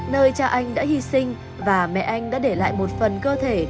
nơi cha anh đã hy sinh và mẹ anh đã để lại một phần cơ thể